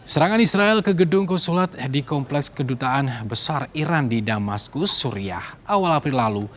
serangan israel ke gedung konsulat di kompleks kedutaan besar iran di damaskus suriah awal april lalu